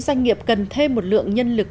doanh nghiệp cần thêm một lượng nhân lực